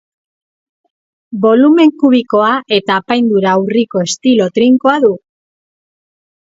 Bolumen kubikoa eta apaindura urriko estilo trinkoa du.